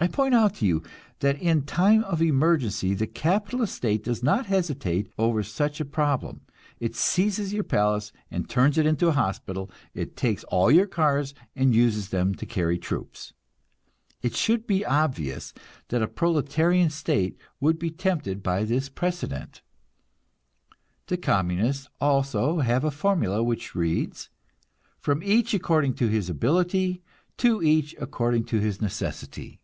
I point out to you that in time of emergency the capitalist state does not hesitate over such a problem; it seizes your palace and turns it into a hospital, it takes all your cars and uses them to carry troops. It should be obvious that a proletarian state would be tempted by this precedent. The Communists also have a formula, which reads: "From each according to his ability, to each according to his necessity."